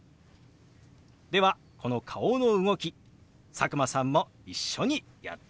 ではこの顔の動き佐久間さんも一緒にやってみましょう！